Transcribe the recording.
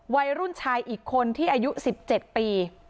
วัยรุ่นชายอีกคนที่อายุ๑๗ปี